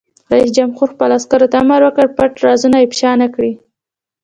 رئیس جمهور خپلو عسکرو ته امر وکړ؛ پټ رازونه افشا نه کړئ!